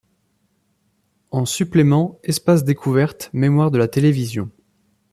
En suppléments espace découverte Mémoires de la télévision.